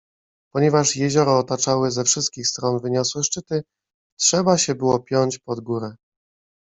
Ponieważ jezioro otaczały ze wszystkich stron wyniosłe szczyty, trzeba się było piąć pod górę.